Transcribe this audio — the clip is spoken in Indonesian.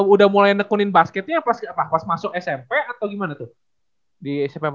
udah mulai nekunin basketnya pas masuk smp atau gimana tuh di smp